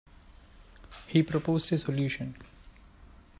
He proposed a solution.